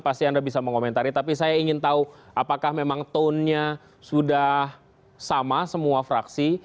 pasti anda bisa mengomentari tapi saya ingin tahu apakah memang tone nya sudah sama semua fraksi